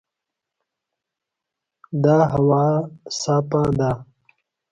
دا هوا صافه ده.